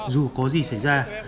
dù có gì xảy ra